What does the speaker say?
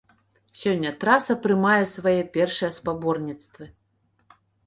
Сёння траса прымае свае першыя спаборніцтвы.